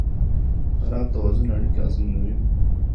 خراب توازن اړیکې اغېزمنوي.